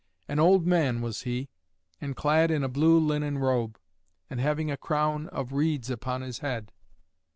An old man was he, and clad in a blue linen robe, and having a crown of reeds upon his head.